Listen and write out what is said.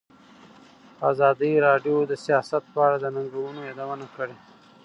ازادي راډیو د سیاست په اړه د ننګونو یادونه کړې.